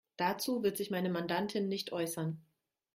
Dazu wird sich meine Mandantin nicht äußern.